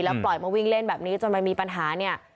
ปล่อยมาวิ่งเล่นแบบนี้จนมันมีปัญหาเนี่ย